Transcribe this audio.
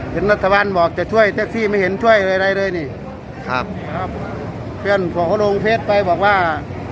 รัฐบาลบอกจะช่วยแท็กซี่ไม่เห็นช่วยอะไรเลยนี่ครับครับเพื่อนเขาก็ลงเฟสไปบอกว่า